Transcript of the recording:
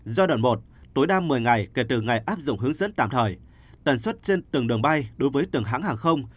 giai đoạn một tối đa một mươi ngày kể từ ngày áp dụng hướng dẫn tạm thời tần suất trên từng đường bay đối với từng hãng hàng không